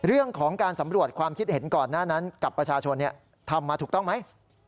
เรื่องของการสำรวจความคิดเห็นก่อนหน้านั้นกับประชาชนทำมาถูกต้องไหม